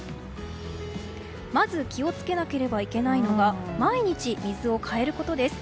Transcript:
まず気を付けなければいけないのが毎日水を替えることです。